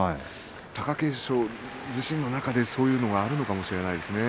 貴景勝自身の中に、そういうのがあるのかもしれませんね。